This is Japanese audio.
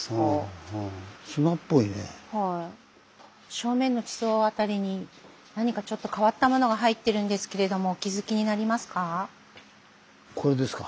正面の地層辺りに何かちょっと変わったものが入ってるんですけれどもお気付きになりますか？